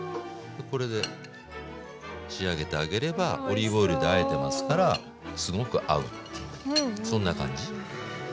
これで仕上げてあげればオリーブオイルであえてますからすごく合うっていうそんな感じ。